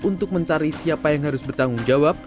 untuk mencari siapa yang harus bertanggung jawab